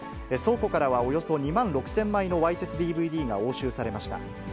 倉庫からはおよそ２万６０００枚のわいせつＤＶＤが押収されました。